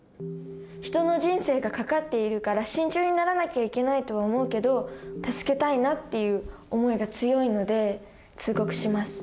人の人生がかかっているから慎重にならなきゃいけないとは思うけど助けたいなっていう思いが強いので通告します。